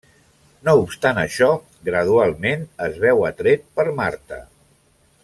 No obstant això, gradualment, es veu atret per Marta.